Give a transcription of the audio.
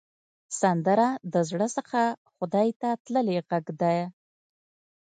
سندره د زړه څخه خدای ته تللې غږ ده